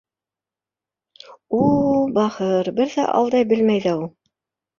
У, бахыр, бер ҙә алдай белмәй ҙә у!